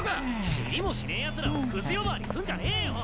知りもしねえヤツらをクズ呼ばわりすんじゃねえよ！